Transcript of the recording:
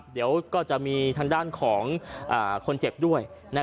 เดี๋ยวก็จะมีทางด้านของคนเจ็บด้วย